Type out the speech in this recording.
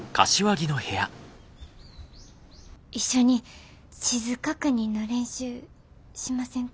一緒に地図確認の練習しませんか？